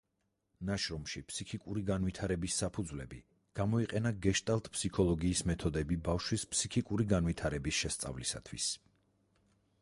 ნაშრომში „ფსიქიკური განვითარების საფუძვლები“ გამოიყენა გეშტალტ-ფსიქოლოგიის მეთოდები ბავშვის ფსიქიკური განვითარების შესწავლისათვის.